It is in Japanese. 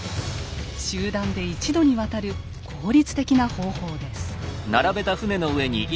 集団で一度に渡る効率的な方法です。